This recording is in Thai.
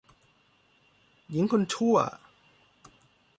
หญิงคนชั่ว